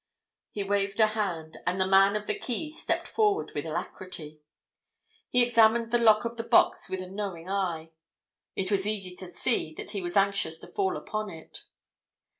He waved a hand, and the man of the keys stepped forward with alacrity. He examined the lock of the box with a knowing eye; it was easy to see that he was anxious to fall upon it.